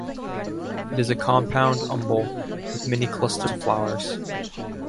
It is a compound umbel with many clusters of flowers.